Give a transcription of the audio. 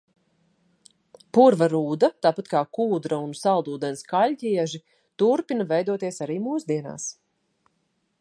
Purva rūda, tāpat kā kūdra un saldūdens kaļķieži, turpina veidoties arī mūsdienās.